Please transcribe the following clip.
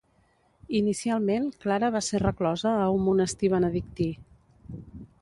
Inicialment, Clara va ser reclosa a un monestir benedictí.